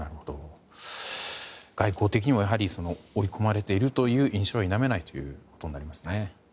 外交的にも追い込まれているという印象は否めないということのようですね。